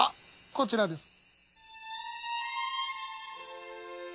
こちらです。